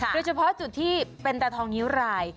โดยเฉพาะจุดที่เป็นตาทองนิ้วราย